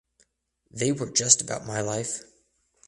They were just about my life.